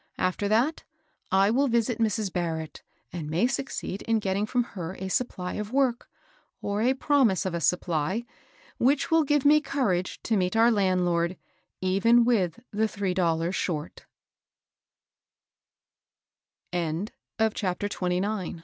After that, I will visit Mrs, Bim^ett, and may succeed in getting from her a supply of work, or a promise of a sup ply, which will give me courage to meet our land lord even with the three doll